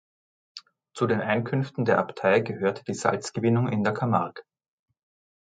Zu den Einkünften der Abtei gehörte die Salzgewinnung in der Camargue.